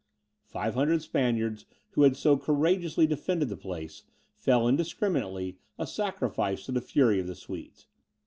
Five hundred Spaniards, who had so courageously defended the place, fell indiscriminately a sacrifice to the fury of the Swedes.